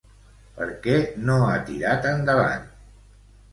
Per què no ha tirat endavant?